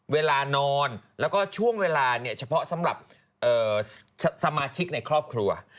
เวลานอนแล้วก็ช่วงเวลาเนี่ยเฉพาะสำหรับสมาชิกในครอบครัว